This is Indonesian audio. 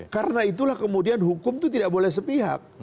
karena itulah kemudian hukum itu tidak boleh sepihak